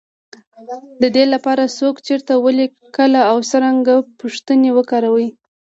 دې لپاره، څوک، چېرته، ولې، کله او څرنګه پوښتنې وکاروئ.